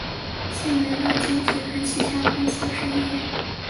现为乐金集团旗下的公司之一。